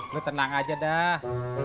lu tenang aja dah